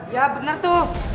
ya bener tuh